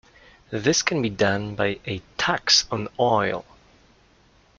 This can be done by a tax on oil.